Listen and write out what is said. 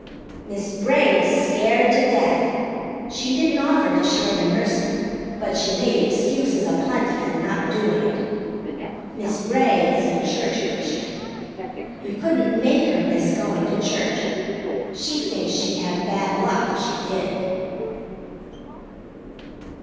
Miss Bray was scared to death. She didn't offer to share the nursing, but she made excuses a plenty for not doing it. Miss Bray is a church Christian. You couldn't make her miss going to church. She thinks she'd have bad luck if she did.